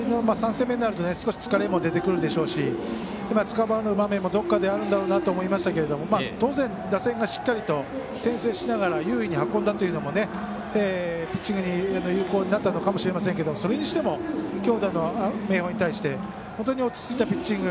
３戦目になると、少し疲れも出てくるでしょうしつかまる場面がどこかであるんだろうなと思いましたけど当然、打線がしっかりと先制しながら優位に運んだというのもピッチングに有効になったのかもしれませんけどそれにしても強打の明豊に対して本当に落ち着いたピッチング